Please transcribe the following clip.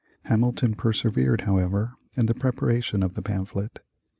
Hamilton persevered, however, in the preparation of the pamphlet.